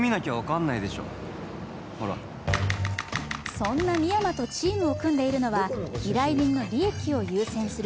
そんな深山とチームを組んでいるのは依頼人の利益を優先する